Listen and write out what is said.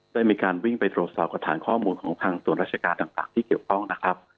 ได้มีการวิ่งไปตรวจสอบกับฐานข้อมูลของทางส่วนราชการต่างที่เกี่ยวข้องนะครับ